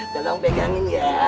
jangan pegangin ya